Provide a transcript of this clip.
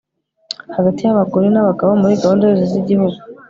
hagati y'abagore n'abagabo muri gahunda zose z'igihugu